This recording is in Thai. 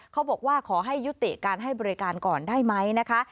ขอให้ยุติการให้บริการก่อนได้ไหมนะคะ